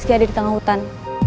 masih ada di tengah hutan